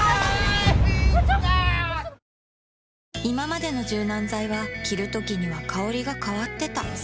いままでの柔軟剤は着るときには香りが変わってた